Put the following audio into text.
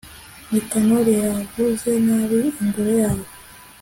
nikanori yavuze nabi ingoro yawe